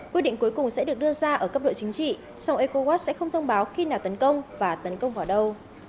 quyết định cuối cùng sẽ được đưa ra ở cấp độ chính trị song ecowas sẽ không thông báo khi nào tấn công và tấn công vào đâu